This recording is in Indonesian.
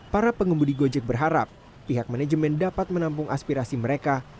para pengemudi gojek berharap pihak manajemen dapat menampung aspirasi mereka